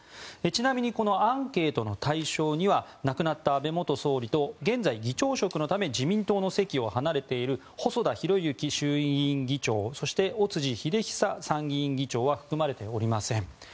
ちなみにこのアンケートの対象には亡くなった安倍元総理と現在、議長職のため自民党の籍を離れている細田博之衆議院議長そして、尾辻秀久参議院議長は含まれておりません。